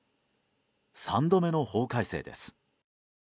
３度目の法改正です。